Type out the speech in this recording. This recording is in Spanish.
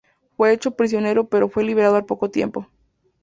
Fue hecho prisionero pero fue liberado al poco tiempo.